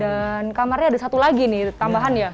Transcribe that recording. dan kamarnya ada satu lagi nih tambahan ya